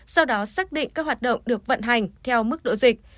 sau đó xác định các hoạt động được vận hành theo mức độ dịch